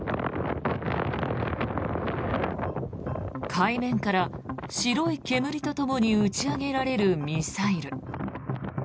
海面から白い煙とともに打ち上げられるミサイル。